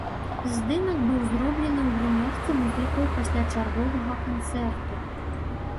Здымак быў зроблены ў грымёрцы музыкаў пасля чарговага канцэрту.